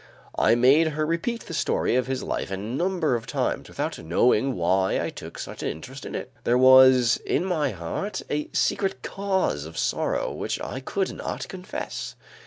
I made her repeat the story of his life a number of times, without knowing why I took such an interest in it. There was in my heart a secret cause of sorrow which I would not confess.